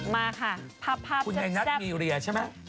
มาค่ะภาพแซ่บคุณใหญ่นัทมีเรียใช่ไหม